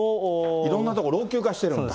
いろんなとこ老朽化してるんだ。